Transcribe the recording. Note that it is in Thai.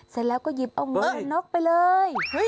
เสร็จแล้วก็หยิบเอาเงินนกไปเลย